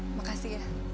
terima kasih ya